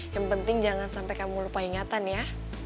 yang penting jangan sampai kamu lupa ingatan ya